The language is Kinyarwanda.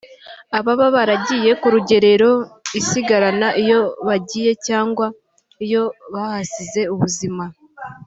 ababa baragiye ku rugerero isigarana iyo bagiye cyangwa iyo bahasize ubuzima